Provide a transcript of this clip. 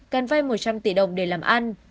cần vay một trăm linh tỷ đồng để làm ăn